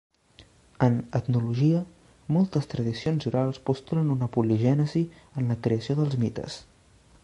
En etnologia moltes tradicions orals postulen una poligènesi en la creació dels mites.